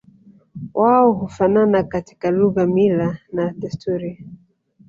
Wao hufanana katika lugha mila na desturi